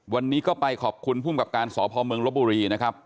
วันนี้ก็ไปขอบคุณภูมิกับการสพเมืองลบบุรีนะครับ